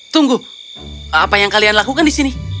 tunggu apa yang kalian lakukan di sini